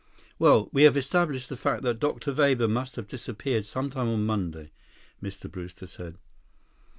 "Well, we have established the fact that Dr. Weber must have disappeared sometime on Monday," Mr. Brewster said.